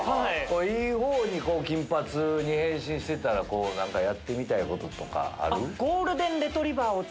いいほうに金髪に変身してたら何かやってみたいこととかある？